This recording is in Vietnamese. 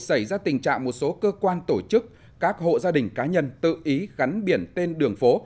xảy ra tình trạng một số cơ quan tổ chức các hộ gia đình cá nhân tự ý gắn biển tên đường phố